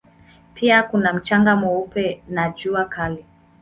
Pia kuna mchanga mweupe na jua kali.